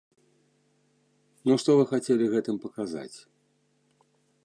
Ну што вы хацелі гэтым паказаць?!